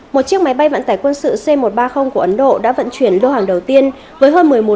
một chiếc máy bay vạn tải quân sự c một trăm ba mươi của ấn độ đã vận chuyển lô hàng đầu tiên với hơn một mươi một tấn hàng cứu trợ